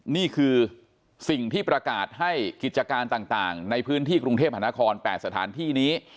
นี่คือสิ่งที่ประกาศให้กิจการต่างในพื้นที่กรุงเทพหานคร๘สถานที่นี้